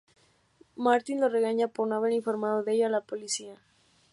Martins lo regaña por no haber informado de ello a la policía.